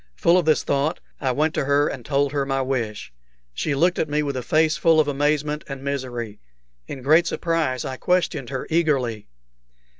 Full of this thought, I went to her and told her my wish. She looked at me with a face full of amazement and misery. In great surprise I questioned her eagerly.